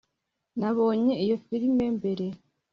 nabonye iyo firime mbere